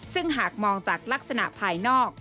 ซึ่งหากมองจากลักษณะภายนอก